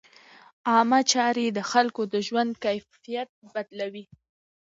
عامه چارې د خلکو د ژوند کیفیت بدلوي.